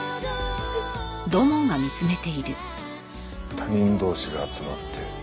他人同士が集まって。